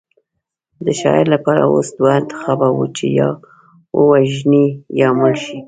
د شاعر لپاره اوس دوه انتخابه وو چې یا ووژني یا مړ شي